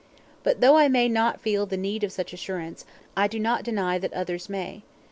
But though I may not feel the need of such assurance, I do not deny that others may.